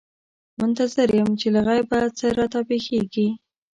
منتظر یم چې له غیبه څه راته پېښېږي.